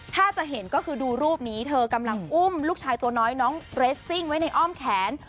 ถ้าจะเห็นก็คือดูรูปนี้เธอกำลังอุ้มลูกชายตัวน้อยน้องเรสซิ่งไว้ในอ้อมแขน